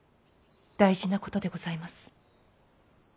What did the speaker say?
大事なことでございます。